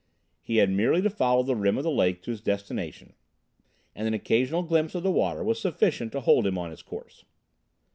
He had merely to follow the rim of the lake to his destination, and an occasional glimpse of the water was sufficient to hold him on his course.